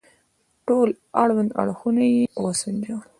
ټول اړوند اړخونه يې وسنجوي.